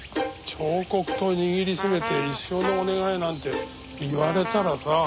彫刻刀握りしめて「一生のお願い」なんて言われたらさ。